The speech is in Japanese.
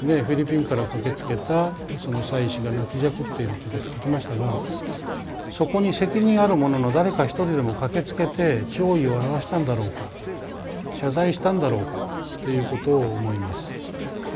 フィリピンから駆けつけた妻子が泣きじゃくっているということを書きましたがそこに責任ある者の誰か一人でも駆けつけて弔意を表したんだろうか謝罪したんだろうかということを思います。